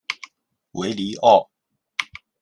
维尼奥。